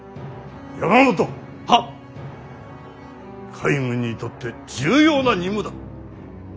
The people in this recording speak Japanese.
海軍にとって重要な任務だ。